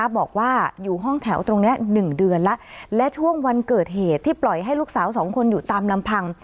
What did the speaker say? บอกว่าอยู่ห้องแถวตรงนี้๑เดือนแล้วและช่วงวันเกิดเหตุที่ปล่อยให้ลูกสาวสองคนอยู่ตามลำพัง